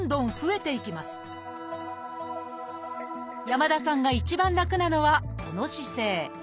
山田さんが一番楽なのはこの姿勢。